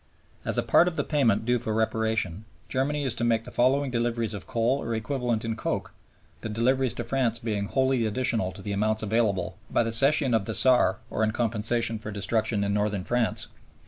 As a part of the payment due for Reparation, Germany is to make the following deliveries of coal or equivalent in coke (the deliveries to France being wholly additional to the amounts available by the cession of the Saar or in compensation for destruction in Northern France): (i.)